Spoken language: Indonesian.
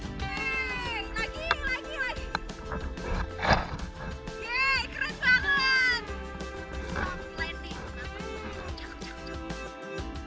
cukup cukup cukup